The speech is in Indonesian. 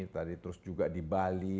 tadi terus juga di bali